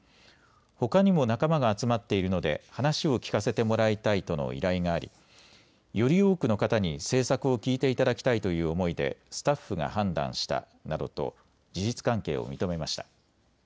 ほかにも仲間が集まっているので話を聞かせてもらいたいとの依頼がありより多くの方に政策を聞いていただきたいという思いでスタッフが判断したなどと事実関係を認めました。